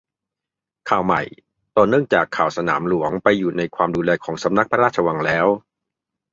ข่าวใหม่ ต่อเนื่องจากข่าวสนามหลวงไปอยู่ในความดูแลของสำนักพระราชวังแล้ว